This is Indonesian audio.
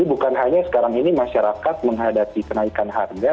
bukan hanya sekarang ini masyarakat menghadapi kenaikan harga